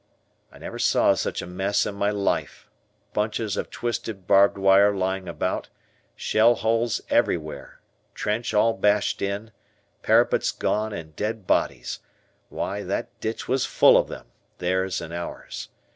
I never saw such a mess in my life bunches of twisted barbed wire lying about, shell holes everywhere, trench all bashed in, parapets gone, and dead bodies, why that ditch was full of them, theirs and ours.